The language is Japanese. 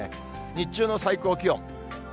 日中の最高気温。